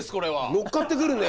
乗っかってくるね。